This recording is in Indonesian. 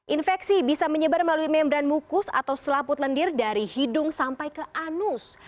infeksi bisa menyebar melalui membran mukus atau selaput lendir dari hidung sampai ke anus